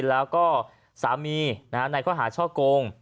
แล้วก็สามีในข้อหาช่อโกง